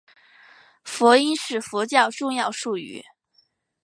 佛音是佛教重要术语。